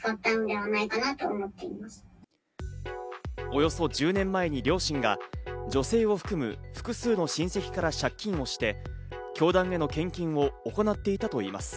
およそ１０年前に両親が女性を含む複数の親戚から借金をして教団への献金を行っていたといいます。